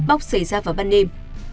óc xảy ra vào ban đêm